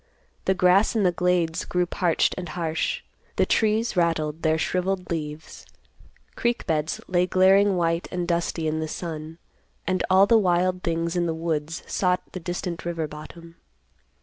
The grass in the glades grew parched and harsh; the trees rattled their shriveled leaves; creek beds lay glaring white and dusty in the sun; and all the wild things in the woods sought the distant river bottom.